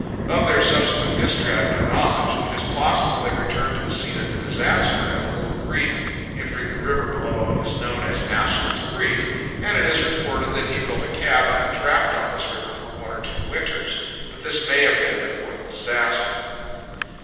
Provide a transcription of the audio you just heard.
Of their subsequent history, I have no knowledge. It is possible they returned to the scene of the disaster, as a little creek entering the river below is known as Ashley's Creek, and it is reported that he built a cabin and trapped on this river for one or two winters; but this may have been before the disaster.